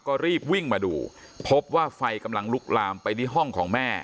ก็รีบวิ่งมาดูพบว่าไฟกำลังลุกลามไปที่ห้องของแม่